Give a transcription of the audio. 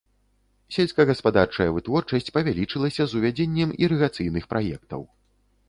Сельскагаспадарчая вытворчасць павялічылася з увядзеннем ірыгацыйных праектаў.